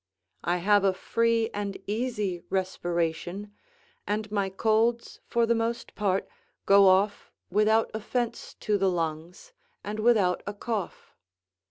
I have a free and easy respiration, and my colds for the most part go off without offence to the lungs and without a cough.